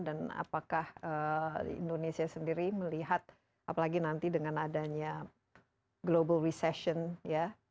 apakah indonesia sendiri melihat apalagi nanti dengan adanya global recession ya